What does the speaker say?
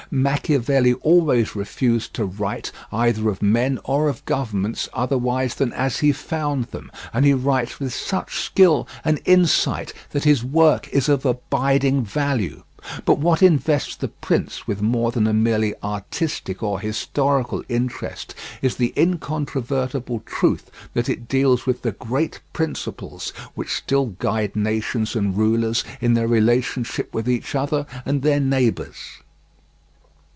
Machiavelli always refused to write either of men or of governments otherwise than as he found them, and he writes with such skill and insight that his work is of abiding value. But what invests The Prince with more than a merely artistic or historical interest is the incontrovertible truth that it deals with the great principles which still guide nations and rulers in their relationship with each other and their neighbours.